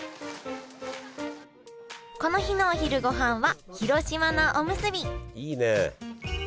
この日のお昼ごはんは広島菜おむすびいいね！